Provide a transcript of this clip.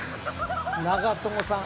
長友さん